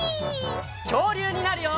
きょうりゅうになるよ！